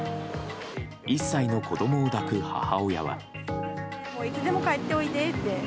１歳の子供を抱く母親は。